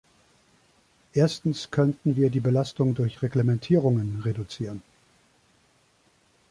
Erstens könnten wir die Belastung durch Reglementierungen reduzieren.